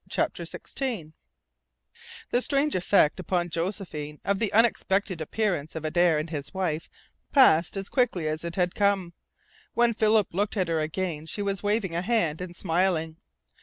CHAPTER SIXTEEN The strange effect upon Josephine of the unexpected appearance of Adare and his wife passed as quickly as it had come. When Philip looked at her again she was waving a hand and smiling.